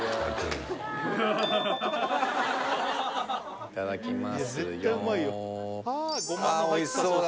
そういただきます